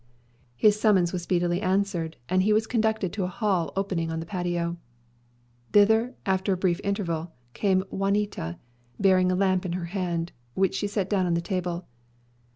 His summons was speedily answered, and he was conducted to a hall opening on the patio. Thither, after a brief interval, came Juanita, bearing a lamp in her hand, which she set down on the table.